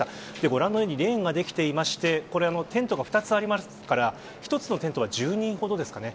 ご覧のようにレーンができていましてテントが２つありますから１つのテントが１０人ほどですかね。